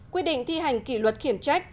quyết định thi hành kỷ luật khiển trách